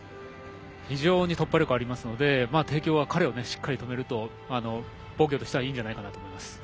非常に突破力があるので彼を止めると防御としてはいいんじゃないかなと思います。